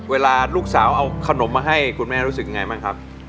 เวลาลูกสาวเอาขนมมาให้คุณแม่รู้สึกยังไงบ้างครับ